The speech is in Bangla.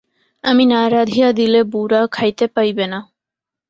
আমি না রাঁধিয়া দিলে বুঢ়া খাইতে পাইবে না।